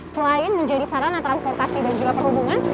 selain menjadi sarana transportasi dan juga perhubungan